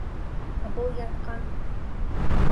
Ә был ятҡан...